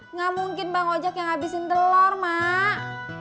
enggak mungkin bang ojak yang ngabisin telur mak